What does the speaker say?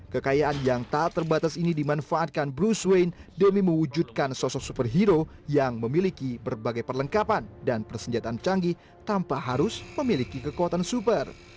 kekayaan yang tak terbatas ini dimanfaatkan bruce wane demi mewujudkan sosok superhero yang memiliki berbagai perlengkapan dan persenjataan canggih tanpa harus memiliki kekuatan super